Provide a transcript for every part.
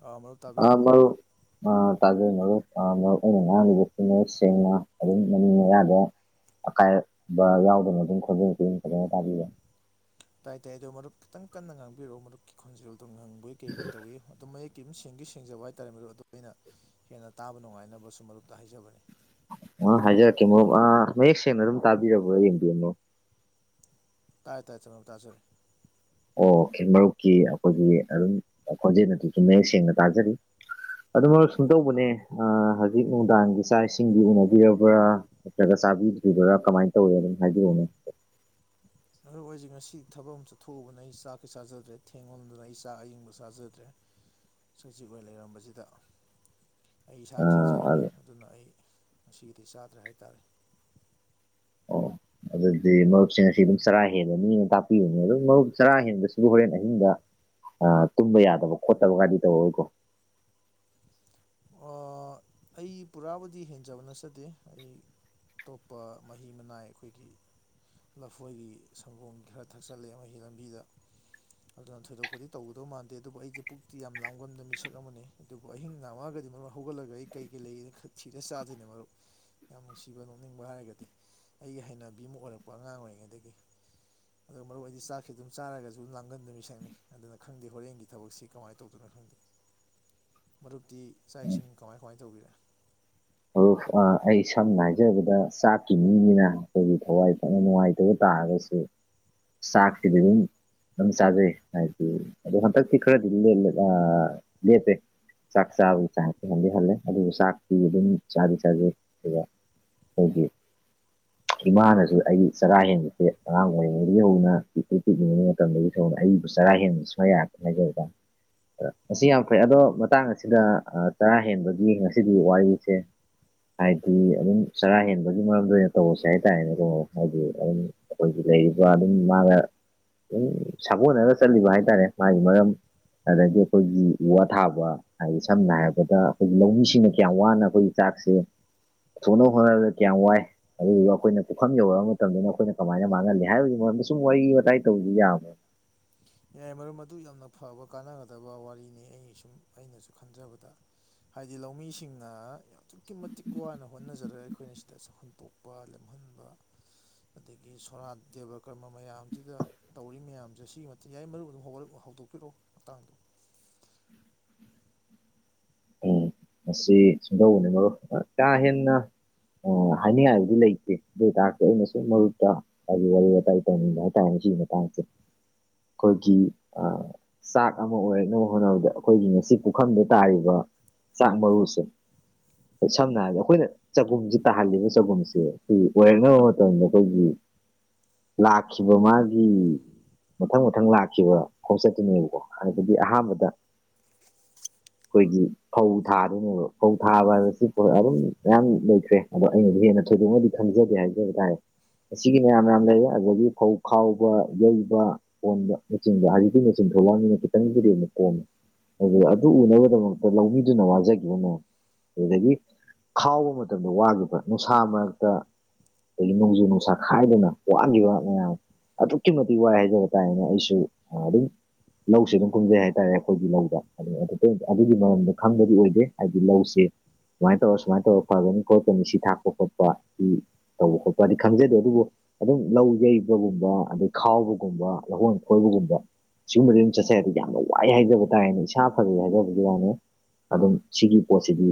ꯑ ꯃꯔꯨꯞ ꯑ ꯇꯥꯕꯤꯔꯕ꯭ꯔꯣ ꯃꯔꯨꯞ ꯑ ꯇꯥꯖꯩ ꯃꯔꯨꯞ ꯑ ꯃꯔꯨꯞ ꯑꯩꯅ ꯉꯥꯡꯉꯤꯖꯦ ꯃꯌꯦꯛ ꯁꯦꯡꯅ ꯑꯗꯨꯝ ꯃꯃꯤꯡ ꯃꯌꯥꯗ ꯑꯀꯥꯏꯕ ꯌꯥꯎꯗꯅ ꯑꯗꯨꯝ ꯈꯣꯖꯦꯟꯁꯦ ꯑꯗꯨꯝ ꯐꯖꯅ ꯇꯥꯕꯤꯕꯔ ꯇꯥꯏ ꯇꯥꯏ ꯑꯗꯣ ꯃꯔꯨꯞ ꯈꯤꯇꯪ ꯀꯟꯅ ꯉꯥꯡꯕꯤꯔꯧ ꯃꯔꯨꯞꯀꯤ ꯈꯣꯟꯖꯦꯜꯗꯣ ꯉꯪꯕꯣꯏ ꯀꯩꯕꯣꯏ ꯇꯧꯏ ꯑꯗꯨꯝ ꯃꯌꯦꯛ ꯇꯤꯗꯨꯝ ꯁꯦꯡꯗꯤ ꯁꯦꯡꯖꯕ ꯍꯥꯏꯇꯥꯔꯦ ꯃꯔꯨꯞ ꯑꯗꯨ ꯑꯩꯅ ꯍꯦꯟꯅ ꯇꯥꯕ ꯅꯨꯡꯉꯥꯏꯅꯕ ꯁꯨꯝ ꯃꯔꯨꯞꯇ ꯍꯥꯏꯖꯕꯅꯤ ꯑ ꯍꯥꯏꯖꯔꯛꯀꯦ ꯃꯔꯨꯞ ꯑꯥ ꯃꯌꯦꯛ ꯁꯦꯡꯅ ꯑꯗꯨꯝ ꯇꯥꯕꯤꯔꯕꯣ ꯌꯦꯡꯕꯤꯌꯨ ꯃꯔꯨꯞ ꯇꯥꯏ ꯇꯥꯏ ꯁꯦꯡꯅ [unintelligible] ꯇꯥꯖꯔꯦ ꯑꯣꯈꯦ ꯃꯔꯨꯞꯀꯤ ꯑꯩꯈꯣꯏꯒꯤ ꯑꯗꯨꯝ ꯈꯣꯟꯖꯦꯜ ꯑꯗꯨꯁꯨ ꯃꯌꯦꯛ ꯁꯦꯡꯅ ꯇꯥꯖꯔꯤ ꯑꯗꯨ ꯃꯔꯨꯞ ꯁꯨꯝꯗꯧꯕꯅꯦ ꯑ ꯍꯧꯖꯤꯛ ꯅꯨꯡꯗꯥꯡꯒꯤ ꯆꯥꯛ ꯏꯁꯤꯡꯗꯤ ꯎꯅꯕꯤꯔꯕ꯭ꯔꯥ ꯅꯠꯇ꯭ꯔꯒ ꯆꯥꯕꯤꯗ꯭ꯔꯤꯕ꯭ꯔꯥ ꯀꯃꯥꯏ ꯇꯧꯢ ꯑꯗꯨꯝ ꯍꯥꯏꯕꯤꯌꯨꯅꯦ ꯃꯔꯨꯞ ꯑꯩꯖꯦ ꯉꯁꯤ ꯊꯕꯛ ꯑꯃ ꯆꯠꯊꯣꯛꯎꯕꯅ ꯑꯩ ꯆꯥꯛꯇꯤ ꯆꯥꯖꯗ꯭ꯔꯦ ꯊꯦꯡꯃꯟꯗꯅ ꯑꯩ ꯆꯥꯛ ꯑꯌꯤꯡꯕ ꯆꯥꯖꯗ꯭ꯔꯦ ꯆꯖꯤꯛ ꯑꯣꯏ ꯂꯩꯔꯝꯕꯖꯤꯗꯥ ꯑꯩ ꯏꯁꯥꯅ ꯑꯥ ꯊꯦꯡꯖꯕꯅꯤ ꯑꯗꯨ ꯑꯗꯨꯅ ꯑꯩ ꯉꯁꯤꯒꯤꯗꯤ ꯆꯥꯗ꯭ꯔꯦ ꯍꯥꯏꯇꯥꯔꯦ ꯑꯣ ꯑꯗꯨꯗꯤ ꯃꯔꯨꯞꯁꯤ ꯉꯁꯤ ꯑꯗꯨꯝ ꯆꯔꯥ ꯍꯦꯜꯂꯅꯤꯅ ꯇꯥꯛꯄꯤꯌꯨꯅꯦ ꯑꯗꯨꯝ ꯃꯔꯨꯞ ꯆꯔꯥ ꯍꯦꯟꯕꯁꯤꯕꯨ ꯍꯨꯔꯦꯟ ꯑꯍꯤꯡꯗꯥ ꯑ ꯇꯨꯝꯕ ꯌꯥꯗꯕ ꯈꯣꯠꯇꯕ ꯒꯥꯗꯤ ꯇꯧꯔꯛꯑꯣꯏꯀꯣ ꯑ ꯑꯩ ꯄꯨꯔꯥꯕꯨꯗꯤ ꯍꯦꯟꯖꯕ ꯅꯠꯆꯗꯦ ꯑꯩ ꯑꯇꯣꯞꯄ ꯃꯍꯤ ꯃꯅꯥꯏ ꯑꯩꯈꯣꯏꯒꯤ ꯂꯐꯣꯏꯒꯤ ꯁꯪꯒꯣꯝ ꯈꯔ ꯊꯛꯆꯜꯂꯦ ꯃꯍꯤ ꯂꯝꯕꯤꯗ ꯑꯗꯨꯅ ꯊꯣꯏꯗꯣꯛꯄꯗꯤ ꯇꯧꯒꯗꯧ ꯃꯥꯟꯗꯦ ꯑꯗꯨꯕꯨ ꯑꯩꯖꯦ ꯄꯨꯛꯇꯤ ꯌꯥꯝ ꯂꯥꯝꯒꯟꯕ ꯃꯤꯁꯛ ꯑꯃꯅꯤ ꯑꯗꯨꯕꯨ ꯑꯍꯤꯡ ꯂꯥꯝꯃꯛꯑꯒꯗꯤ ꯃꯔꯨꯞ ꯍꯧꯒꯠꯂꯒ ꯑꯩ ꯀꯩ ꯀꯩ ꯂꯩꯒꯦꯅ ꯈꯔ ꯊꯤꯔ ꯆꯥꯗꯣꯏꯅꯦ ꯃꯔꯨꯞ ꯌꯥꯝ ꯅꯨꯡꯁꯤꯕ ꯅꯣꯛꯅꯤꯡꯕ ꯍꯥꯏꯔꯒꯗꯤ ꯑꯩꯒꯤ ꯍꯩꯅꯕꯤ ꯑꯃ ꯑꯣꯏꯔꯛꯄ ꯑꯉꯥꯡ ꯑꯣꯏꯔꯤꯉꯩꯗꯒꯤ ꯑꯗ ꯃꯔꯨꯞ ꯑꯩꯗꯤ ꯆꯥꯛꯁꯤ ꯑꯗꯨꯝ ꯆꯥꯔꯒꯁꯨ ꯂꯥꯝꯒꯟꯕ ꯃꯤꯁꯛꯅꯤ ꯑꯗꯨꯅ ꯈꯪꯗꯦ ꯍꯣꯔꯦꯟꯒꯤ ꯊꯕꯛꯁꯤ ꯀꯃꯥꯏ ꯇꯧꯗꯣꯏꯅꯣ ꯈꯪꯗꯦ ꯃꯔꯨꯞꯇꯤ ꯆꯥꯛ ꯏꯁꯤꯡ ꯀꯃꯥꯏ ꯀꯃꯥꯏ ꯇꯧꯕꯤꯔꯦ ꯃꯔꯨꯞ ꯑ ꯑꯩ ꯁꯝꯅ ꯍꯥꯏꯖꯔꯕꯗ ꯆꯥꯛꯀꯤ ꯃꯤꯅꯤꯅ ꯑꯩꯈꯣꯏꯒꯤ ꯊꯋꯥꯏ ꯐꯅ ꯅꯨꯡꯉꯥꯏꯇꯕ ꯇꯥꯔꯒꯁꯨ ꯎꯝ ꯆꯥꯛꯁꯤꯗꯤ ꯗꯨꯝ ꯑꯗꯨꯝ ꯆꯥꯖꯩ ꯍꯥꯏꯗꯤ ꯑꯗꯣ ꯍꯟꯗꯛꯇꯤ ꯈꯔꯗꯤ ꯑ ꯂꯦꯞꯄꯦ ꯆꯥꯛ ꯆꯥꯕꯒꯤ ꯆꯥꯡꯇ ꯍꯗꯤ ꯍꯜꯂꯦ ꯑꯗꯨ ꯆꯥꯛꯇꯤ ꯑꯗꯨꯝ ꯆ ꯆꯗ ꯁꯤꯔ ꯍꯕꯤ ꯏꯃꯥꯅꯁꯨ ꯑꯩꯒꯤ ꯆꯔꯥ ꯍꯦꯟꯕꯁꯦ ꯑꯉꯥꯡ ꯑꯣꯏꯔꯤꯉꯩꯗꯒꯤ ꯍꯧꯅ ꯄꯤ ꯄꯤꯛꯅꯤꯡ [unintelligible] ꯑꯩꯕꯨ ꯆꯔꯥ ꯍꯦꯟꯕ ꯁꯋꯥ ꯌꯥ ꯑꯁꯤ ꯌꯥꯝ ꯐꯩ ꯑꯗꯣ ꯃꯇꯥꯡ ꯑꯁꯤꯗ ꯇꯔꯥ ꯍꯦꯟꯕꯒꯤ ꯉꯁꯤꯗꯤ ꯋꯥꯔꯤꯁꯦ ꯍꯥꯏꯗꯤ ꯑꯗꯨꯝ ꯆꯔꯥ ꯍꯦꯟꯕꯒꯤ ꯃꯔꯝꯗ ꯑꯣꯏꯅ ꯇꯧꯕꯔꯁꯦ ꯍꯥꯏꯇꯥꯔꯦꯅꯦ ꯀꯩꯅꯣ ꯍꯥꯏꯗꯤ ꯑꯗꯨꯝ ꯑꯩꯈꯣꯏꯒꯤ ꯂꯩꯔꯤꯕ ꯑꯗꯨꯝ ꯃꯥꯒ ꯑꯗꯨꯝ ꯁꯥꯒꯣꯟꯅꯔ ꯆꯠꯂꯤꯕ ꯍꯥꯏꯇꯥꯔꯦ ꯃꯥꯒꯤ ꯃꯔꯝ ꯑꯗꯒꯤ ꯑꯩꯈꯣꯏꯒꯤ ꯎ ꯋꯥ ꯊꯥꯕ ꯍꯥꯏꯗꯤ ꯁꯝꯅ ꯍꯥꯏꯔꯕꯗ ꯑꯩꯈꯣꯏꯒꯤ ꯂꯧꯃꯤꯁꯤꯡꯅ ꯀꯌꯥꯝ ꯋꯥꯅ ꯑꯩꯈꯣꯏ ꯆꯥꯛꯁꯦ ꯊꯣꯡꯅ ꯍꯣꯠꯅꯕꯗ ꯀꯌꯥꯝ ꯋꯥꯏ ꯑꯗꯨꯗꯨꯒ ꯑꯩꯈꯣꯏꯅ ꯄꯨꯈꯝ ꯌꯧꯔꯛꯑꯕ ꯃꯇꯝꯗꯅ ꯑꯩꯈꯣꯏꯅ ꯀꯃꯥꯏꯅ ꯃꯥꯡꯍꯜꯂꯤ ꯍꯥꯏꯕꯒꯤ ꯃꯔꯝꯗ ꯁꯨꯝ ꯋꯥꯔꯤ ꯋꯥꯇꯥꯏ ꯇꯧꯕꯁꯤ ꯌꯥꯝꯕ꯭ꯔꯣ ꯌꯥꯏ ꯃꯔꯝ ꯑꯗꯨꯗꯨ ꯌꯥꯝꯅ ꯐꯕ ꯀꯥꯟꯅꯒꯗꯕ ꯋꯥꯔꯤꯅꯤ ꯑꯩ ꯁꯨꯝ ꯑꯩꯅꯁꯨ ꯈꯟꯖꯕꯗ ꯍꯥꯏꯗꯤ ꯂꯧꯃꯤꯁꯤꯡꯅ ꯑꯗꯨꯛꯀꯤ ꯃꯇꯤꯛ ꯋꯥꯅ ꯍꯣꯠꯅꯖꯔꯒ ꯑꯩꯈꯣꯏꯅ ꯁꯤꯗ ꯆꯈꯜꯄꯣꯛ ꯋꯥ ꯂꯦꯝꯍꯟꯕ ꯑꯗꯒꯤ ꯁꯣꯔꯥ ꯗꯦꯕ ꯀꯔꯃ ꯃꯌꯥꯝꯁꯤꯗ ꯇꯧꯔꯤ ꯃꯌꯥꯝꯁꯦ ꯁꯤꯒꯤ ꯌꯥꯏ ꯃꯔꯨ ꯑꯗꯨꯝ ꯍꯧ ꯍꯧꯗꯣꯛꯄꯤꯔꯛꯑꯣ ꯃꯇꯥꯡꯗꯣ ꯎꯝ ꯃꯁꯤ ꯁꯨꯡꯗꯧꯕꯅꯤ ꯃꯔꯣ ꯀꯥ ꯍꯦꯟꯅ ꯑꯣ ꯍꯥꯏꯅꯤꯡꯉꯥꯏꯕꯗꯤ ꯂꯩꯇꯦ ꯑꯗꯨ ꯑꯣꯏꯇꯥꯔꯗꯤ ꯑꯩꯅꯁꯨꯨꯝ ꯃꯔꯨꯞꯠꯇ ꯑꯗꯨ ꯋꯥꯔꯤ ꯋꯥꯇꯥꯏ ꯇꯧꯅꯤꯡꯉ ꯍꯥꯏꯇꯥꯔꯦ ꯁꯤ ꯃꯇꯥꯡꯁꯦ ꯑꯩꯈꯣꯏꯒꯤ ꯑꯥ ꯆꯥꯛ ꯑꯃ ꯑꯣꯏꯔꯛꯅꯕ ꯍꯣꯠꯅꯕꯗ ꯑꯩꯈꯣꯏꯒꯤ ꯉꯁꯤ ꯄꯨꯈꯝꯗ ꯇꯥꯔꯤꯕ ꯆꯥꯛ ꯃꯔꯨꯁꯦ ꯑꯩ ꯁꯝꯅ ꯍꯥꯏꯔꯕꯗ ꯑꯩꯈꯣꯏꯅ ꯆꯒꯨꯝꯁ ꯇꯥꯍꯜꯂꯤꯅꯦ ꯆꯒꯨꯝꯁꯦ ꯑꯩꯈꯣꯏ ꯑꯣꯏꯔꯛꯅꯕ ꯃꯇꯝꯗ ꯑꯩꯈꯣꯏꯒꯤ ꯂꯥꯛꯈꯤꯕ ꯃꯥꯒꯤ ꯃꯊꯪ ꯃꯊꯪ ꯂꯥꯛ ꯈꯤꯕ ꯈꯣꯡꯆꯠꯇꯨꯅꯦꯕꯀꯣ ꯑꯗꯨꯗꯒꯤ ꯑꯍꯥꯟꯕꯗ ꯑꯩꯈꯣꯏꯒꯤ ꯐꯧ ꯊꯥꯗꯣꯏꯅꯦꯕ ꯐꯧ ꯊꯥꯕ ꯍꯥꯏꯕꯁꯤ ꯄꯣꯠ ꯑꯗꯨꯝ ꯃꯌꯥꯝ ꯂꯩꯈ꯭ꯔꯦ ꯑꯗꯣ ꯑꯩꯅꯗꯤ ꯍꯦꯟꯅ ꯊꯣꯏꯗꯣꯛꯅꯗꯤ ꯈꯪꯖꯗꯦ ꯍꯥꯏꯖꯕ ꯇꯥꯔꯦ ꯑꯁꯤꯒꯤ ꯃꯌꯥꯝ ꯌꯥꯝ ꯂꯩ ꯑꯗꯒꯤ ꯐꯧ ꯈꯥꯎꯕ ꯌꯩꯕ ꯀꯣꯟꯕ ꯃꯆꯤꯟꯕ ꯍꯥꯏꯖꯤꯗꯤ ꯃꯦꯆꯤꯟ ꯊꯧꯕꯥꯜꯅꯤꯅ ꯈꯤꯇꯪꯕꯨꯗꯤ ꯑꯃꯨꯛ ꯀꯣꯟꯝꯃꯦ ꯑꯗꯨꯒ ꯑꯗꯨ ꯎꯅꯕꯒꯤꯗꯃꯛꯇ ꯂꯧꯃꯤꯗꯨꯅ ꯋꯥꯖꯈꯤꯕꯅꯦ ꯑꯗꯨꯗꯒꯤ ꯈꯥꯎꯕ ꯃꯇꯝꯗ ꯋꯥꯈꯤꯕ ꯅꯨꯡꯁꯥ ꯃꯔꯛꯇ ꯑꯗꯒꯤ ꯅꯣꯡꯖꯨ ꯅꯨꯡꯁꯥ ꯈꯥꯏꯗꯅ ꯋꯥꯠꯂꯤꯈꯤꯕ ꯃꯌꯥꯝ ꯑꯗꯨꯛꯀꯤ ꯃꯇꯤꯛ ꯋꯥꯏ ꯍꯥꯏꯖꯕ ꯇꯥꯔꯦꯅꯦ ꯑꯩꯁꯨ ꯑꯗꯨꯝ ꯂꯧꯁꯤ ꯑꯗꯨꯝ ꯈꯨꯝꯖꯩ ꯍꯥꯏꯇꯥꯔꯦ ꯑꯩꯈꯣꯏꯒꯤ ꯂꯧꯗ ꯑꯗꯨ ꯑꯗꯨꯒꯤ ꯃꯔꯝꯗ ꯈꯪꯕꯗꯤ ꯑꯣꯏꯗꯦ ꯍꯥꯏꯗꯤ ꯂꯧꯁꯦ ꯁꯨꯃꯥꯏꯅ ꯇꯧꯔ ꯁꯨꯃꯥꯏꯅ ꯇꯧꯔ ꯐꯕꯅꯤ ꯈꯣꯠꯄꯅꯤ ꯁꯤ ꯊꯥꯛꯄ ꯈꯣꯠꯄ ꯁꯤ ꯇꯧꯕꯥ ꯈꯣꯠꯄꯗꯤ ꯈꯪꯖꯦꯗꯦ ꯑꯗꯨꯕꯨ ꯑꯗꯨꯝ ꯂꯧ ꯌꯩꯕꯒꯨꯝꯕ ꯑꯗꯩ ꯈꯥꯎꯕꯒꯨꯝꯕ ꯂꯧꯍꯣꯡ ꯈꯣꯏꯕꯒꯨꯝꯕ ꯁꯤꯒꯨꯝꯕ ꯑꯗꯨꯝ ꯆꯠꯆꯩꯗꯤ ꯌꯥꯝꯅ ꯋꯥꯏ ꯍꯥꯏꯖꯕ ꯇꯥꯔꯦꯅꯦ ꯏꯁꯥ ꯐꯖꯩ ꯍꯥꯏꯖꯕꯗꯤ [unintelligible] ꯑꯗꯨꯝ ꯁꯤꯒꯤ ꯄꯣꯠꯁꯤꯗꯤ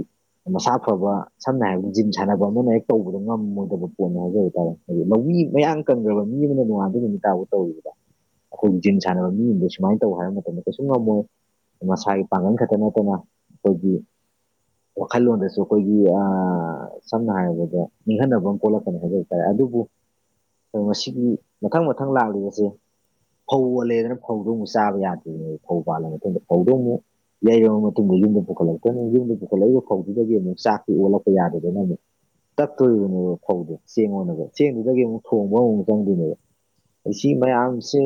ꯃꯁꯥ ꯐꯕ ꯁꯝꯅ ꯍꯥꯏꯔꯕꯗ ꯖꯤꯟ ꯁꯥꯟꯅꯕ ꯑꯃꯅ ꯍꯦꯛ ꯇꯧꯕꯗꯣ ꯉꯝꯃꯣꯏꯗꯕ ꯄꯣꯠꯅꯦ ꯍꯥꯏꯖꯕ ꯇꯥꯔꯦ ꯍꯥꯏꯗꯤ ꯂꯧꯃꯤ ꯃꯌꯥꯡ ꯀꯟꯈ꯭ꯔꯕ ꯃꯤ ꯑꯃꯅ ꯅꯣꯡꯉꯥꯟꯗꯩꯩ ꯅꯨꯃꯤꯠ ꯇꯥꯐꯥꯎ ꯇꯧꯔꯤꯕꯗꯣ ꯑꯩꯈꯣꯏꯒꯤ ꯖꯤꯝ ꯁꯥꯟꯅꯕ ꯃꯤꯁꯤꯡꯗꯣ ꯁꯨꯃꯥꯏꯅ ꯇꯧ ꯍꯥꯏꯕ ꯃꯇꯝꯗ ꯀꯩꯁꯨꯨꯝ ꯉꯝꯃꯣꯏ ꯃꯁꯥꯒꯤ ꯄꯥꯡꯒꯜ ꯈꯛꯇ ꯅꯠꯇꯅ ꯑꯩꯈꯣꯏꯒꯤ ꯋꯥꯈꯜꯂꯣꯟꯗꯁꯨ ꯑꯩꯈꯣꯏꯒꯤ ꯑꯥ ꯁꯝꯅ ꯍꯥꯏꯔꯕꯗ ꯅꯤꯡꯍꯟꯅꯕ ꯑꯃ ꯄꯣꯛꯂꯛꯀꯅꯤ ꯍꯥꯏꯖꯕ ꯇꯥꯔꯦ ꯑꯗꯨꯕꯨ ꯉꯥꯁꯤꯒꯤ ꯃꯊꯪ ꯃꯊꯪ ꯂꯥꯛꯂꯤꯕꯁꯦ ꯐꯧ ꯄꯜꯂꯦꯗꯅ ꯐꯧꯗꯣ ꯑꯃꯨꯛ ꯆꯥꯕ ꯌꯥꯗꯦꯅꯦ ꯐꯧ ꯄꯥꯜꯂ ꯃꯇꯨꯡꯗ ꯐꯧꯗꯣ ꯑꯃꯨꯛ ꯌꯩꯔꯕ ꯃꯇꯨꯡꯗ ꯌꯨꯝꯗ ꯄꯨꯈꯠꯂꯛꯇꯣꯏꯅꯤ ꯌꯨꯝꯗ ꯄꯨꯈꯠꯂꯛꯏꯕ ꯐꯧꯗꯨꯗꯒꯤ ꯑꯃꯨꯛ ꯆꯥꯛꯁꯤ ꯑꯣꯜꯂꯛꯄ ꯌꯥꯗꯅ ꯑꯃꯨꯛ ꯇꯛꯇꯣꯔꯤꯕꯅꯦꯕ ꯐꯧꯗꯤ ꯆꯦꯡꯉꯗ ꯆꯦꯡꯗꯨꯗꯒꯤ ꯑꯃꯨꯛ ꯊꯣꯡꯕ ꯃꯨꯛ ꯆꯪꯗꯣꯏꯅꯦꯕ ꯃꯌꯥꯝꯁꯦ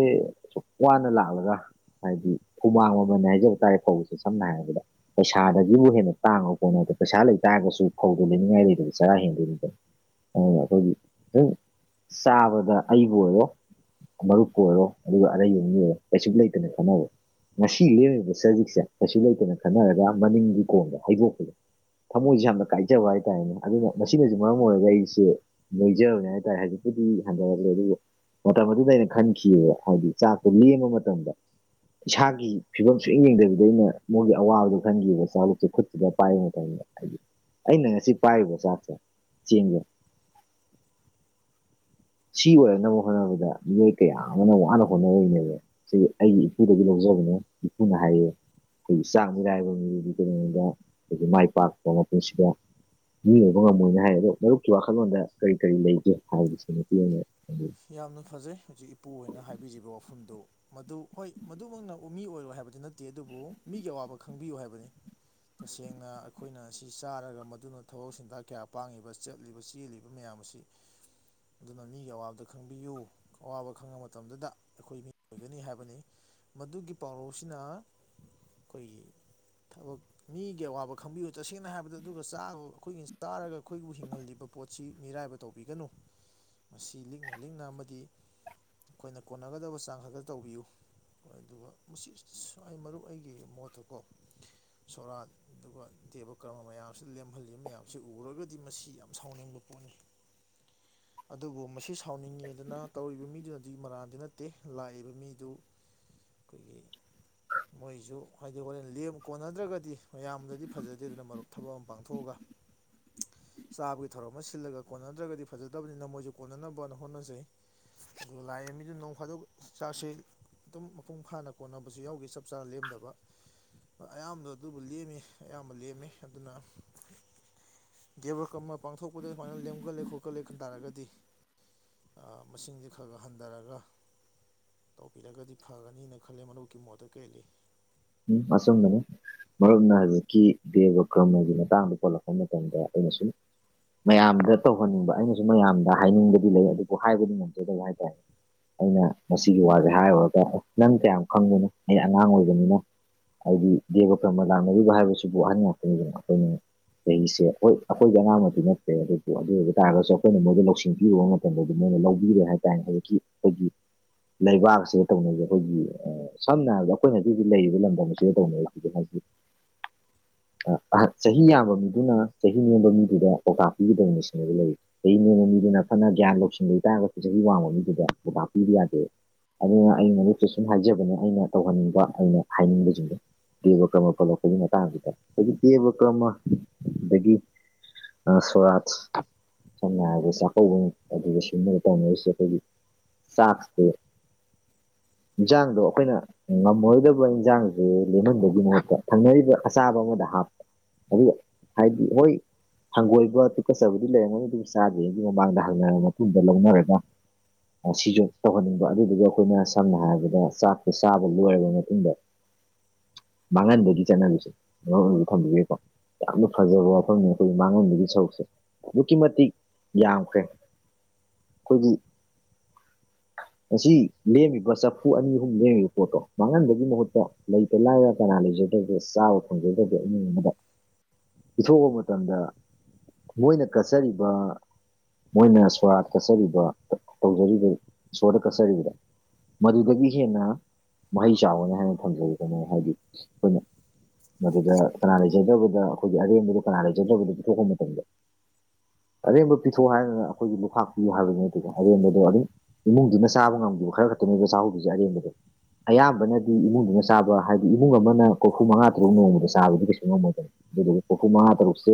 ꯑ ꯋꯥꯅ ꯂꯥꯛꯂꯒ ꯍꯥꯏꯗꯤ ꯍꯨꯃꯥꯡ ꯃꯃꯜ ꯃꯥꯟꯅ ꯍꯩꯖꯟꯕ ꯇꯥꯔꯦ ꯐꯧꯕꯁꯦ ꯁꯝꯅ ꯍꯥꯏꯔꯕꯗ ꯄꯩꯁꯥꯗꯒꯤꯕꯨ ꯍꯦꯟꯅ ꯇꯥꯡꯉ ꯄꯣꯠꯅꯦ ꯄꯩꯁꯥ ꯂꯩꯇꯥꯥꯔꯒꯁꯨ ꯐꯧꯗꯨꯣ ꯂꯩꯅꯤꯡꯉꯥꯏ ꯂꯩꯗꯗꯤ ꯆꯔꯥ ꯍꯦꯟꯗꯣꯏꯅꯤꯗꯅ ꯑ ꯑꯈꯣꯏꯒꯤ ꯑꯗꯨꯝ ꯆꯥꯕꯗ ꯑꯩꯕꯨ ꯑꯣꯏꯔꯣ ꯃꯔꯨꯞꯄꯨ ꯑꯣꯏꯔꯣ ꯑꯗꯨꯒ ꯑꯔꯩꯕꯒꯤ ꯃꯤ ꯑꯣꯏꯔꯣ ꯀꯩꯁꯨ ꯂꯩꯇꯅ ꯈꯟꯅꯕ ꯁꯤ ꯂꯦꯝꯃꯤꯕ ꯆꯖꯤꯛꯁꯦ ꯀꯩꯁꯨ ꯂꯩꯇꯅ ꯈꯟꯅꯔꯒ ꯃꯅꯤꯡꯒꯤ ꯀꯣꯝꯗ ꯍꯩꯗꯣꯛꯈꯤꯕ ꯊꯃꯣꯏꯁꯦ ꯌꯥꯝꯅ ꯀꯥꯏꯖꯕ ꯍꯥꯏꯇꯥꯔꯦꯅꯦ ꯑꯗꯨꯅ ꯃꯁꯤꯅꯁꯨ ꯃꯔꯝ ꯑꯣꯏꯔꯒ ꯑꯩꯁꯦ ꯅꯣꯏꯖꯕꯅꯦ ꯍꯥꯏꯇꯥꯔꯦ ꯍꯧꯖꯤꯛꯄꯨꯗꯤ ꯍꯟꯊꯔꯛꯂꯦ ꯑꯗꯨꯕꯨ ꯃꯇꯝ ꯑꯗꯨꯗ ꯑꯩꯅ ꯈꯟꯈꯤꯑꯕ ꯍꯥꯏꯗꯤ ꯆꯥꯛꯇꯣ ꯂꯦꯝꯕ ꯃꯇꯝꯗ ꯏꯁꯥꯒꯤ ꯐꯤꯕꯝ ꯁꯨꯌꯦꯡ ꯌꯦꯡꯗꯕꯤꯗ ꯑꯩꯅ ꯃꯣꯏꯒꯤ ꯑꯋꯥꯕꯗꯣ ꯈꯟꯈꯤꯕ ꯆꯥꯂꯨꯛꯇꯣ ꯈꯨꯠꯇꯨꯗ ꯄꯥꯏꯕ ꯃꯇꯝꯗ ꯍꯥꯏꯗꯤ ꯑꯩꯅ ꯉꯁꯤ ꯄꯥꯏꯔꯤꯕ ꯆꯥꯛꯁꯦ ꯆꯦꯡꯁꯦ ꯁꯤ ꯑꯣꯏꯔꯛꯅꯕ ꯍꯣꯠꯅꯕꯗ ꯃꯤꯑꯣꯏ ꯀꯌꯥ ꯑꯃꯅ ꯋꯥꯅ ꯍꯣꯠꯅꯔꯤꯅꯦꯕ ꯁꯤ ꯑꯩꯒꯤ ꯏꯄꯨꯗꯒꯤ ꯂꯧꯖꯕꯅꯦ ꯏꯄꯨꯅ ꯍꯥꯏꯌꯦ ꯑꯈꯣꯏꯒꯤ ꯆꯥꯛ ꯃꯤꯔꯥꯏꯕ ꯃꯤꯗꯤ ꯀꯩꯗꯧꯅꯨꯡꯗ ꯑꯈꯣꯏꯒꯤ ꯃꯥꯏ ꯄꯥꯛꯄ ꯃꯄꯨꯟꯁꯤꯗ ꯃꯤ ꯑꯣꯏꯕ ꯉꯝꯃꯣꯏꯅ ꯍꯥꯏ ꯑꯗꯣ ꯃꯔꯨꯞꯀꯤ ꯋꯥꯈꯜꯂꯣꯟꯗ ꯀꯔꯤ ꯀꯔꯤ ꯂꯩꯒꯦ ꯍꯥꯏꯕꯁꯦ ꯅꯨꯄꯤ ꯑꯣꯏꯅ ꯍꯥꯢꯗꯤ ꯌꯥꯝꯅ ꯐꯖꯩ ꯍꯧꯖꯤꯛ ꯏꯄꯨꯍꯣꯢꯅ ꯍꯥꯏꯕꯤꯔꯤꯕ ꯋꯥꯐꯝꯗꯣ ꯃꯗꯨ ꯍꯣꯏ ꯃꯗꯨꯃꯛꯅ ꯃꯤ ꯑꯣꯏꯔꯣꯢ ꯍꯥꯏꯕꯗꯤ ꯅꯠꯇꯦ ꯑꯗꯨꯕꯨ ꯃꯤꯒꯤ ꯑꯋꯥꯕ ꯈꯪꯕꯤꯌꯨ ꯍꯥꯏꯕꯅꯤ ꯇꯁꯦꯡꯅ ꯑꯩꯈꯣꯏꯅ ꯑꯁꯤ ꯆꯥꯔꯒ ꯃꯗꯨꯅ ꯊꯕꯛ ꯁꯤꯟꯊꯥꯛ ꯀꯌꯥ ꯄꯥꯡꯉꯤꯕ ꯆꯠꯂꯤꯕ ꯆꯦꯜꯂꯤꯕ ꯃꯌꯥꯝ ꯑꯁꯤ [inaudible] ꯑꯗꯨꯅ ꯃꯤꯒꯤ ꯑꯋꯥꯕꯗ ꯈꯪꯕꯤꯌꯨ ꯑꯋꯥꯕ ꯈꯪꯕ ꯃꯇꯝꯗꯨꯗ ꯑꯈꯣꯏ ꯃꯤ ꯑꯣꯏꯒꯅꯤ ꯍꯥꯏꯕꯅꯤ ꯃꯗꯨꯒꯤ ꯄꯥꯎꯔꯧꯁꯤꯅ ꯑꯈꯣꯏꯒꯤ ꯊꯕꯛ ꯃꯤꯒꯤ ꯑꯋꯥꯕ ꯈꯪꯕꯤꯌꯨ ꯇꯁꯦꯡꯅ ꯍꯥꯏꯕꯗ ꯑꯗꯨꯒ ꯆꯥꯕꯥ ꯑꯈꯣꯏꯒꯤ ꯆꯥꯔꯒ ꯑꯈꯣꯏꯕꯨ ꯍꯤꯡꯍꯜꯂꯤꯕ ꯄꯣꯠꯁꯤ ꯃꯤꯔꯥꯏꯕ ꯇꯧꯕꯤꯒꯅꯨ ꯃꯁꯤ ꯂꯤꯛꯅ ꯂꯤꯛꯅ ꯑꯃꯗꯤ ꯑꯈꯣꯏꯅ ꯀꯣꯟꯅꯒꯗꯕ ꯆꯥꯡ ꯈꯛꯇ ꯇꯧꯕꯤꯌꯨ ꯍꯣꯢ ꯑꯗꯨꯒ ꯃꯁꯤ ꯁ꯭ꯋꯥꯢ ꯃꯔꯨꯞ ꯑꯩꯒꯤ ꯃꯣꯠꯇ ꯀꯣ ꯁꯣꯔꯥꯠ ꯑꯗꯨꯒ ꯗꯦꯕ ꯀꯔꯃ ꯃꯌꯥꯝꯁꯤꯗ ꯂꯦꯝꯍꯜꯂꯤꯕ ꯃꯌꯥꯝꯁꯤ ꯎꯔꯨꯔꯒꯗꯤ ꯃꯁꯤ ꯌꯥꯝ ꯁꯥꯎꯅꯤꯡꯕ ꯄꯣꯠꯅꯤ [inaudible] ꯑꯗꯨꯕꯨ ꯃꯁꯤ ꯁꯥꯎꯅꯤꯡꯉꯦꯗꯅ ꯇꯧꯔꯤꯕ ꯃꯤꯗꯨꯅꯗꯤ ꯃꯔꯥꯟꯗꯤ ꯅꯠꯇꯦ ꯂꯥꯛꯏꯕ ꯃꯤꯗꯨ ꯑꯈꯣꯏꯒꯤ ꯃꯣꯏꯁꯨ ꯍꯥꯏꯗꯤ ꯍꯣꯔꯦꯟ ꯂꯦꯝ ꯀꯣꯟꯅꯗ꯭ꯔꯒꯗꯤ ꯃꯌꯥꯝꯗꯗꯤ ꯐꯖꯗꯦꯗꯅ ꯑꯗꯨꯅ ꯃꯔꯨꯞ ꯊꯕꯛ ꯑꯃ ꯄꯥꯡꯊꯣꯛꯑꯒ [inaudible] ꯆꯥꯕꯒꯤ ꯊꯧꯔꯝ ꯑꯃ ꯁꯤꯜꯂꯒ ꯀꯣꯟꯅꯗ꯭ꯔꯒꯗꯤ ꯐꯖꯗꯕꯅꯤꯅ ꯃꯣꯏꯁꯨ ꯀꯣꯟꯅꯅꯕꯅ ꯍꯣꯠꯅꯖꯩ ꯑꯗꯨꯒ ꯂꯥꯛꯢꯕ ꯃꯤꯗꯤꯅ ꯅꯣꯡ ꯐꯗꯣꯛ ꯆꯥꯛꯁꯤ ꯑꯗꯨꯝ ꯃꯄꯨꯡ ꯐꯥꯅ ꯀꯣꯟꯅꯕꯁꯨ ꯌꯥꯎꯈꯤ ꯆꯞ ꯆꯥꯅ ꯂꯦꯝꯗꯕ ꯑꯌꯥꯝꯕ ꯑꯗꯨꯕꯨ ꯂꯦꯝꯃꯤ ꯑꯌꯥꯝꯕ ꯂꯦꯝꯃꯤ ꯑꯗꯨꯅ ꯗꯦꯕ ꯀꯔꯃ ꯄꯥꯡꯊꯣꯛꯄꯗ ꯁꯨꯃꯥꯏꯅ ꯂꯦꯝꯒꯜꯂꯦ ꯈꯣꯠꯀꯠꯂꯦ ꯈꯟ ꯇꯥꯔꯒꯗꯤ ꯑ ꯃꯁꯤꯡꯁꯦ ꯈꯔ ꯈꯔ ꯍꯟꯊꯔꯒ ꯇꯧꯕꯤꯔꯒꯗꯤ ꯐꯒꯅꯤꯅ ꯈꯜꯂꯦ ꯃꯔꯨꯞꯀꯤ ꯃꯣꯠꯇ ꯀꯔꯤ ꯂꯩ ꯎꯝ ꯑꯆꯨꯝꯕꯅꯤ ꯃꯔꯨꯞꯅ ꯍꯧꯖꯤꯛꯀꯤ ꯗꯦꯕ ꯀꯔꯃꯒꯤ ꯃꯇꯥꯡꯗ ꯄꯜꯂꯛꯄ ꯃꯇꯝꯗ ꯑꯩꯅ ꯁꯨꯝ ꯃꯌꯥꯝꯗ ꯇꯧꯍꯟꯅꯤꯡꯕ ꯑꯩꯅꯁꯨ ꯃꯌꯥꯝꯗ ꯍꯥꯏꯅꯤꯡꯕꯗꯤ ꯂꯩ ꯑꯗꯨꯕꯨ ꯍꯥꯏꯕꯗꯤ ꯉꯝꯖꯗꯕ ꯍꯥꯏꯇꯥꯔꯦ ꯑꯩꯅ ꯃꯁꯤꯒꯤ ꯋꯥꯁꯦ ꯍꯥꯏꯔꯨꯔꯒ ꯑꯦ ꯅꯪ ꯀꯌꯥꯝ ꯈꯪꯕꯅꯣ ꯑꯩꯅ ꯑꯉꯥꯡ ꯑꯣꯏꯕꯅꯤꯅ ꯍꯥꯏꯗꯤ ꯗꯦꯕ ꯀꯔꯃ ꯂꯥꯛꯅꯔꯤꯕ ꯍꯥꯏꯕꯁꯤꯕꯨ ꯑꯍꯟ ꯉꯛꯇꯅꯤꯗꯅ ꯑꯈꯣꯏꯅ ꯆꯍꯤꯁꯦ ꯍꯣꯏ ꯑꯈꯣꯏꯗꯤ ꯑꯉꯥꯡꯃꯛꯇꯤ ꯅꯠꯇꯦ ꯑꯗꯨꯕꯨ ꯑꯗꯨ ꯑꯣꯏꯕ ꯇꯥꯔꯒꯁꯨ ꯑꯈꯣꯏꯅ ꯃꯣꯏꯗ ꯂꯧꯁꯤꯡ ꯄꯤꯔꯨꯕ ꯉꯝ ꯀꯩꯅꯣꯗꯤ ꯃꯣꯏꯅ ꯂꯧꯕꯤꯔꯣꯢ ꯍꯥꯏꯇꯥꯔꯦ ꯍꯧꯖꯤꯛꯀꯤ ꯑꯈꯣꯏꯒꯤ ꯂꯩꯕꯥꯛꯁꯤꯗ ꯇꯧꯅꯩꯁꯦ ꯑꯈꯣꯏꯒꯤ ꯑ ꯁꯝꯅ ꯍꯥꯏꯔꯕꯗ ꯑꯈꯣꯏꯅ ꯍꯧꯖꯤꯛ ꯂꯩ ꯍꯧꯖꯤꯛ ꯂꯝꯗꯝꯁꯤꯗ ꯇꯧꯅꯩꯁꯦ ꯍꯥꯢꯗꯤ ꯑ ꯆꯍꯤ ꯌꯥꯝꯕ ꯃꯤꯗꯨꯅ ꯆꯍꯤ ꯅꯦꯝꯕ ꯃꯤꯗꯨꯗ ꯄꯥꯎꯇꯥꯛ ꯄꯤꯒꯗꯧꯅꯤ ꯁꯤ ꯁꯤꯅꯦꯕ ꯂꯩ ꯆꯍꯤ ꯅꯦꯝꯕ ꯃꯤꯗꯨꯅ ꯐꯅ ꯒ꯭ꯌꯥꯟ ꯂꯧꯁꯤꯡ ꯂꯩ ꯇꯥꯥꯔꯒꯁꯨ ꯆꯍꯤ ꯋꯥꯡꯕ ꯃꯤꯗꯨꯗ ꯄꯧꯇꯥꯛ ꯄꯤꯕ ꯌꯥꯗꯦ ꯑꯗꯨꯅ ꯃꯔꯨꯞꯇ ꯁꯨꯝ ꯍꯥꯏꯖꯕꯅꯦ ꯑꯩꯅ ꯇꯧꯍꯟꯅꯤꯡꯕ ꯑꯩꯅ ꯍꯥꯏꯅꯤꯡꯕꯁꯤꯡꯖꯦ ꯗꯦꯕ ꯀꯔꯃꯥ ꯄꯜꯂꯛꯄꯗ ꯑꯗꯨꯒꯤ ꯃꯇꯥꯡꯁꯤꯗ ꯍꯥꯏꯗꯤ ꯗꯦꯕ ꯀꯔꯃ ꯑꯗꯒꯤ ꯁꯣꯔꯥꯖ ꯁꯝꯅ ꯍꯥꯏꯔꯕꯗ ꯆꯥꯛꯀꯧꯕꯅꯤ ꯑꯗꯨꯒ ꯁꯨꯝꯕ ꯇꯧꯅꯔꯤꯁꯦ ꯑꯩꯈꯣꯏꯒꯤ ꯆꯥꯛꯁꯦ ꯌꯦꯟꯁꯥꯡꯗꯣ ꯑꯩꯈꯣꯏꯅ ꯉꯝꯃꯔꯣꯏꯗꯕ ꯏꯟꯁꯥꯡꯁꯦ ꯂꯦꯝꯍꯟꯕꯒꯤ ꯃꯍꯨꯠꯇ ꯊꯪꯅꯔꯤꯕ ꯑꯆꯥꯕ ꯑꯃꯗ ꯍꯥꯞꯄ ꯑꯗꯨ ꯍꯥꯏꯗꯤ ꯍꯣꯏ ꯍꯪꯒꯣꯏꯕ ꯇꯨꯀꯠꯆꯕꯗꯤ ꯂꯩꯔꯝꯒꯅꯤ ꯑꯗꯨꯝ ꯆꯥꯗ꯭ꯔꯤꯉꯩꯒꯤ ꯃꯃꯥꯡꯗ ꯍꯪꯅꯔꯕ ꯃꯇꯨꯡꯗ ꯂꯧꯅꯔꯒ ꯁꯤꯁꯨ ꯇꯧꯍꯟꯅꯤꯡꯕ ꯑꯗꯨꯗꯨꯒ ꯑꯩꯈꯣꯏꯅ ꯁꯝꯅ ꯍꯥꯏꯔꯕꯗ ꯆꯥꯛꯁꯦ ꯆꯥꯕ ꯂꯣꯏꯔꯕ ꯃꯇꯨꯡꯗ ꯃꯥꯡꯍꯟꯕꯒꯤ ꯆꯠꯅꯕꯤꯁꯦ ꯊꯝꯕꯤꯒꯦꯀꯣ ꯌꯥꯝꯅ ꯐꯖꯕ ꯋꯥꯐꯝꯅꯤ ꯑꯩꯈꯣꯏꯒꯤ ꯃꯥꯡꯍꯟꯕꯒꯤ ꯁꯔꯨꯛꯁꯦ ꯑꯗꯨꯛꯀꯤ ꯃꯇꯤꯛ ꯌꯥꯝꯈ꯭ꯔꯦ ꯑꯩꯈꯣꯏꯒꯤ ꯉꯁꯤ ꯂꯦꯝꯃꯤꯕ ꯆꯐꯨ ꯑꯅꯤ ꯑꯍꯨꯝ ꯂꯦꯝꯃꯤꯕ ꯄꯣꯠꯇꯣ ꯃꯥꯡꯍꯟꯕꯒꯤ ꯃꯍꯨꯠꯇ ꯂꯩꯇ ꯂꯥꯏꯔ ꯀꯅꯥ ꯂꯩꯖꯗꯕꯗ ꯆꯥꯕ ꯐꯪꯖꯗꯕ ꯏꯃꯨꯡ ꯑꯃꯗ ꯄꯤꯊꯣꯛꯄ ꯃꯇꯝꯗ ꯃꯣꯏꯅ ꯀꯠꯆꯔꯤꯕ ꯃꯣꯏꯅ ꯁꯣꯔꯥꯠ ꯀꯠꯆꯔꯤꯕ ꯇꯧꯖꯔꯤꯕ ꯏꯁꯣꯔꯗ ꯀꯠꯆꯔꯤꯕꯗꯣ ꯃꯗꯨꯗꯒꯤ ꯍꯦꯟꯅ ꯃꯍꯩ ꯆꯥꯎꯒꯅꯤ ꯍꯥꯏꯅ ꯊꯝꯖꯒꯦ ꯑꯩꯅ ꯍꯥꯏꯗꯤ ꯑꯩꯈꯣꯏꯅ ꯃꯗꯨꯗ ꯀꯅꯥ ꯂꯩꯖꯗꯕꯗ ꯑꯩꯈꯣꯏꯒꯤ ꯑꯔꯦꯝꯕꯗ ꯀꯅꯥ ꯂꯩꯖꯗꯕꯗ ꯄꯤꯊꯣꯛꯄ ꯃꯇꯝꯗ ꯑꯔꯦꯝꯕ ꯄꯤꯊꯣꯛꯑꯣ ꯍꯥꯏꯗꯅ ꯑꯩꯈꯣꯏꯒꯤ ꯂꯣꯛꯈꯥꯛ ꯄꯤꯌꯣ ꯍꯥꯏꯕ ꯅꯠꯇꯦꯀꯣ ꯑꯔꯦꯡꯕꯗꯣ ꯑꯗꯨꯝ ꯏꯃꯨꯡꯗꯨꯅ ꯆꯥꯕ ꯉꯝꯒꯤꯕ ꯈꯔ ꯈꯛꯇꯅꯦꯕ ꯆꯥꯍꯧꯗꯨꯏꯁꯦ ꯑꯔꯦꯝꯕꯗꯣ ꯑꯌꯥꯝꯕꯅꯗꯤ ꯏꯃꯨꯡ ꯅ ꯆꯥꯕ ꯍꯥꯏꯕꯗꯤ ꯏꯃꯨꯡ ꯑꯃꯅ ꯀꯣꯔꯐꯨ ꯃꯉꯥ ꯇꯔꯨꯛ ꯅꯣꯡꯃꯗ ꯆꯥꯕꯗꯤ ꯀꯩꯁꯨ ꯉꯝꯃꯣꯏꯗꯅ ꯑꯗꯨꯗꯨꯒꯤ ꯀꯣꯔꯐꯨ ꯃꯉꯥ ꯇꯔꯨꯛꯁꯦ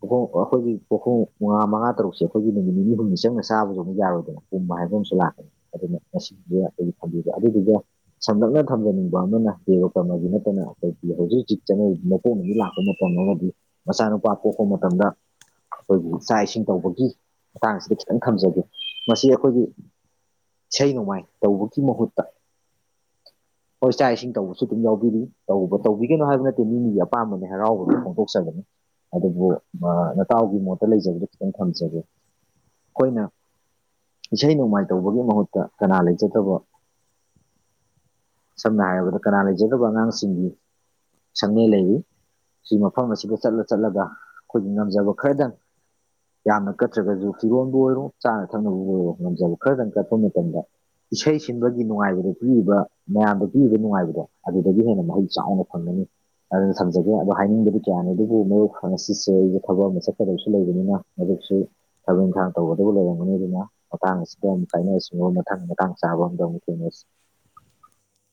ꯄꯈꯣꯡ ꯑꯩꯈꯣꯏꯒꯤ ꯄꯈꯣꯡ ꯃꯉꯥ ꯃꯉꯥ ꯇꯔꯨꯛꯁꯦ ꯑꯩꯈꯣꯏꯒꯤ ꯅꯨꯃꯤꯠ ꯅꯤꯅꯤ ꯍꯨꯝꯅꯤ ꯆꯪꯅ ꯆꯥꯕꯁꯨ ꯑꯃꯨꯛ ꯌꯥꯔꯣꯏꯗꯅ ꯄꯨꯝꯕ ꯍꯥꯏꯕ ꯑꯃꯁꯨ ꯂꯥꯛꯀꯅꯤ ꯑꯗꯨꯅ ꯃꯁꯤꯁꯦ ꯑꯩꯈꯣꯏꯒꯤ ꯊꯝꯕꯤꯕ ꯑꯗꯨꯗꯨꯒ ꯁꯝꯂꯞꯅ ꯊꯝꯖꯅꯤꯡꯕ ꯑꯃꯅ ꯗꯦꯕ ꯀꯔꯃꯒꯤ ꯅꯠꯇꯅ ꯑꯩꯈꯣꯏꯒꯤ ꯍꯧꯖꯤꯛ ꯍꯧꯖꯤꯛ ꯆꯠꯅ ꯃꯄꯣꯛ ꯅꯨꯃꯤꯠ ꯂꯥꯛꯄ ꯃꯇꯝ ꯑꯃꯗꯤ ꯃꯆꯥꯅꯨꯄꯥ ꯄꯣꯛꯄ ꯃꯇꯝꯗ ꯑꯩꯈꯣꯏꯒꯤ ꯆꯥꯛ ꯏꯁꯤꯡ ꯇꯧꯕꯒꯤ ꯃꯇꯥꯡꯁꯤ ꯈꯤꯇꯪ ꯊꯝꯖꯒꯦ ꯃꯁꯤ ꯑꯩꯈꯣꯏꯒꯤ ꯏꯁꯩ ꯅꯣꯡꯃꯥꯏ ꯇꯧꯕꯒꯤ ꯃꯍꯨꯠꯇ [inaudible] ꯍꯣꯏ ꯆꯥꯛ ꯏꯁꯤꯡ ꯇꯧꯕꯁꯨ ꯑꯗꯨꯝ ꯌꯥꯎꯕꯤꯔꯤ ꯇꯧꯕ ꯇꯧꯕꯤꯒꯅꯣ ꯍꯥꯏꯕ ꯅꯠꯇꯦ ꯃꯤ ꯃꯤꯒꯤ ꯑꯄꯥꯝꯕꯅꯦ ꯍꯔꯥꯎꯕꯗꯨ ꯐꯣꯡꯗꯣꯛꯆꯕꯅꯤ ꯑꯗꯨꯕꯨ ꯅꯇꯥꯎꯒꯤ ꯃꯣꯠꯇ ꯂꯩꯖꯕꯗꯨ ꯈꯤꯇꯪ ꯊꯝꯖꯒꯦ ꯑꯩꯈꯣꯏꯅ ꯏꯁꯩ ꯅꯣꯡꯃꯥꯏ ꯇꯧꯕꯒꯤ ꯃꯍꯨꯠꯇ ꯀꯅꯥ ꯂꯩꯖꯗꯕ ꯁꯝꯅ ꯍꯥꯏꯔꯕꯗ ꯀꯅꯥ ꯂꯩꯖꯒꯗꯕ ꯑꯉꯥꯡꯁꯤꯡꯒꯤ ꯁꯪꯉꯩ ꯂꯩꯔꯤ ꯁꯤ ꯃꯐꯝ ꯑꯁꯤꯗ ꯆꯠꯂ ꯆꯠꯂꯒ ꯑꯩꯈꯣꯏꯒꯤ ꯉꯝꯖꯕ ꯈꯔꯗꯪ ꯌꯥꯝꯅ ꯀꯠꯇ꯭ꯔꯒꯁꯨ ꯐꯤꯔꯣꯟꯕꯨ ꯑꯣꯏꯔꯣ ꯆꯥꯅ ꯊꯛꯅꯕꯕꯨ ꯑꯣꯏꯔꯣ ꯉꯝꯖꯕ ꯈꯔꯗꯪ ꯀꯠꯄ ꯃꯇꯝꯗ ꯏꯁꯩ ꯁꯤꯟꯕꯒꯤ ꯅꯨꯡꯉꯥꯏꯕꯗ ꯄꯤꯔꯤꯕ ꯃꯌꯥꯝꯗ ꯄꯤꯕ ꯅꯨꯡꯉꯥꯏꯕꯗꯣ ꯑꯗꯨꯗꯒꯤ ꯍꯦꯟꯅ ꯃꯍꯩ ꯆꯥꯎꯅ ꯐꯪꯒꯅꯤ ꯑꯗꯨꯅ ꯊꯝꯖꯒꯦ ꯑꯗꯣ ꯍꯥꯏꯅꯤꯡꯗꯕꯗꯤ ꯀꯌꯥꯅꯤ ꯑꯗꯨꯕꯨ ꯃꯣꯛ ꯉꯁꯤꯁꯦ ꯑꯩꯁꯦ ꯊꯕꯛ ꯑꯃ ꯆꯠꯀꯗꯕꯁꯨ ꯂꯩꯕꯅꯤꯅ ꯍꯧꯖꯤꯛꯁꯨ ꯊꯕꯛ ꯏꯪꯈꯥꯡ ꯇꯧꯕꯗꯕꯨ ꯂꯩꯔꯝꯒꯅꯤ ꯑꯗꯨꯅ ꯃꯇꯥꯡ ꯑꯁꯤꯗ ꯑꯃꯨꯛ ꯈꯥꯏꯅꯔꯁꯤꯕꯣ ꯃꯊꯪ ꯃꯇꯥꯡ ꯆꯥꯕ ꯑꯝꯗ ꯑꯃꯨꯛ ꯊꯦꯡꯅꯁꯤ